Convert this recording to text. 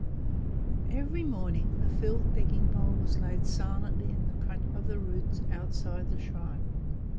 Every morning the filled begging bowl was laid silently in the crutch of the roots outside the shrine.